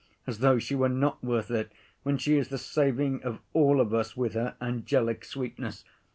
As though she were not worth it, when she is the saving of all of us with her angelic sweetness.